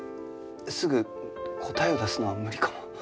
すぐ答えを出すのは無理かも。